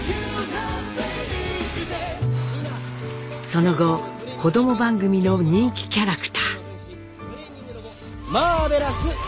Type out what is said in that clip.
その後子ども番組の人気キャラクター。